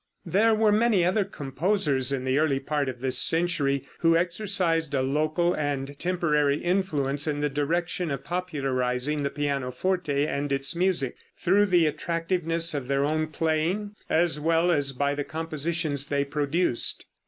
There were many other composers in the early part of this century who exercised a local and temporary influence in the direction of popularizing the pianoforte and its music, through the attractiveness of their own playing, as well as by the compositions they produced.